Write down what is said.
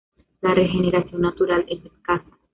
La regeneración natural es escasa.